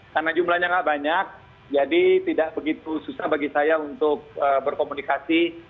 karena jumlahnya enggak banyak jadi tidak begitu susah bagi saya untuk berkomunikasi